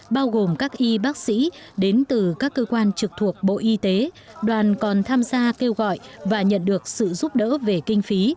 bao gồm các y bác sĩ đến từ các cơ quan trực thuộc bộ y tế đoàn còn tham gia kêu gọi và nhận được sự giúp đỡ về kinh phí